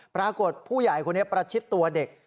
ปรากฏผู้ใหญ่คนนี้ประชิดตัวเด็ก